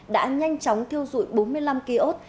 đã nhanh chóng thiêu rụi bốn mươi năm kiosk